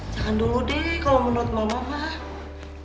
jangan dulu deh kalau menurut mama mama